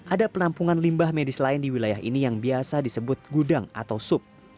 ada penampungan limbah medis lain di wilayah ini yang biasa disebut gudang atau sub